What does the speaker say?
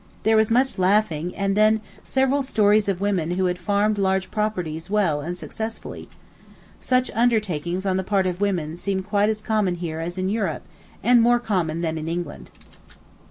There was much laughing, and then several stories of women who had farmed large properties well and successfully. Such undertakings on the part of women seem quite as common here as in Europe, and more common than in England.